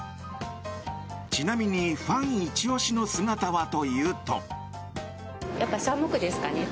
ちなみにファンイチ押しの姿はというと。